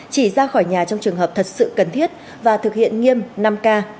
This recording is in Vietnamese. chỉ ra khỏi nhà trong trường hợp thật sự cần thiết và thực hiện nghiêm năm k